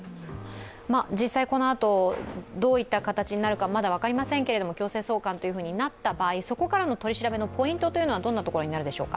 実際このあとどういった形になるかはまだ分かりませんけれども、強制送還というふうになった場合そこからの取り調べのポイントはどんなところでしょうか。